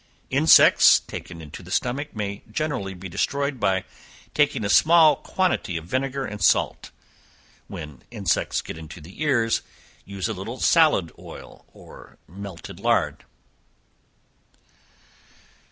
Insects taken into the stomach, may generally be destroyed by taking a small quantity of vinegar and salt. When insects get into the ears, use a little salad oil, or melted lard.